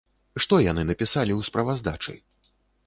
Што яны напісалі ў справаздачы?